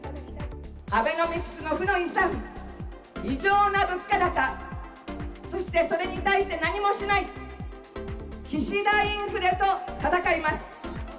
アベノミクスの負の遺産、異常な物価高、そしてそれに対して何もしない、岸田インフレと戦います。